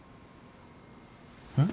うん？